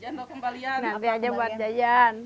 nanti aja buat jajan